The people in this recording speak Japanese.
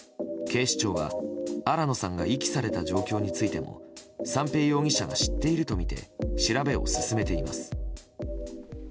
警視庁は、新野さんが遺棄された状況についても三瓶容疑者が知っているとみて調べを進めています。